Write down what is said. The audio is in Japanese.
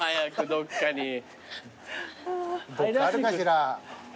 どっかあるかしら。